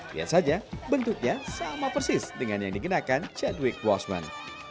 lihat saja bentuknya sama persis dengan yang digunakan chadwick boseman